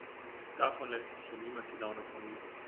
Davon lässt sich hier niemand die Laune vermiesen.